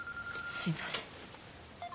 すいません。